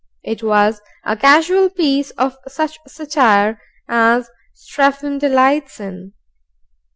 It was a casual piece of such satire as Strephon delights in.